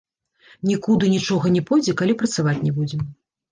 Нікуды нічога не пойдзе, калі працаваць не будзем.